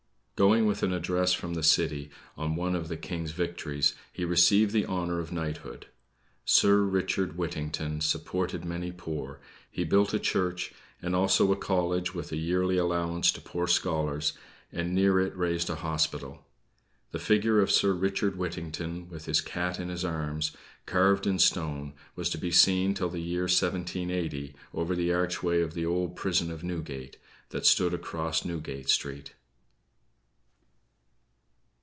Going with an address from the city, on one of the King's victories, he received the honor of knighthood. Sir Richard Whittington supported many poor; he built a church, and also a college, with a yearly allowance to poor scholars, and near it raised a hospital. The figure of Sir Richard Whittington, with his cat in his arms, carved in stone, was to be seen till the year 1780, over the archway of the old prison of Newgate, that stood across Newgate Street.